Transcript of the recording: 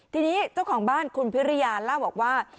ทีนี้เจ้าของบ้านคุณพิริยาเล่าบอกว่า